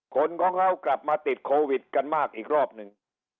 คนของเขากลับมาติดโควิดกันมากอีกรอบหนึ่ง